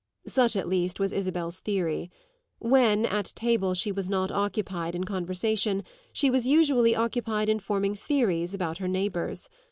Such, at least, was Isabel's theory; when, at table, she was not occupied in conversation she was usually occupied in forming theories about her neighbours.